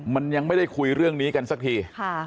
มันยังไม่ได้คุยเรื่องนี้กันสักที